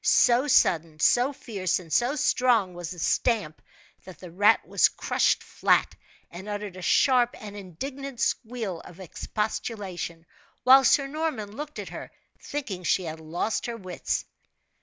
So sudden, so fierce, and so strong, was the stamp, that the rat was crushed flat, and uttered a sharp and indignant squeal of expostulation, while Sir Norman looked at her, thinking she had lost her wits.